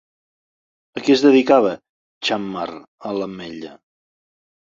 A què es dedicava Xammar a l'Ametlla?